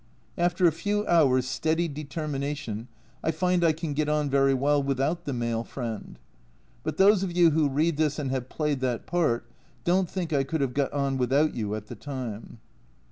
After a few hours' steady determination, I find I can get on very well without the male friend. But those of you who read this and have played that part, don't think I could have got on without you at the time.